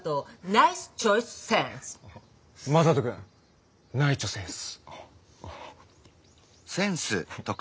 正門君ナイチョセンス。